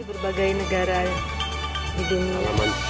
berbagai negara di dunia